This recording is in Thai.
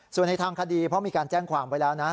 ส่วนในทางคดีเพราะมีการแจ้งความไว้แล้วนะ